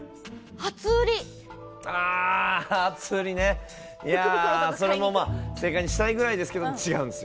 初売りねそれも正解にしたいぐらいなんですけど、違うんですよ。